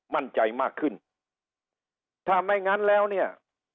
มั่นใจมากขึ้นถ้าไม่งั้นแล้วเนี่ย